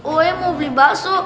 oe mau beli bakso